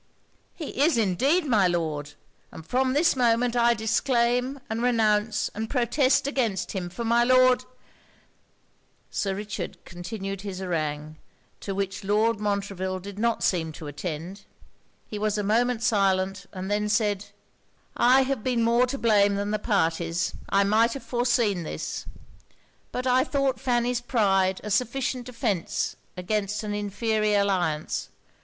'He is indeed, my Lord! and from this moment I disclaim, and renounce and protest against him; for my Lord ' Sir Richard continued his harangue, to which Lord Montreville did not seem to attend. He was a moment silent, and then said 'I have been more to blame than the parties. I might have foreseen this. But I thought Fanny's pride a sufficient defence against an inferior alliance.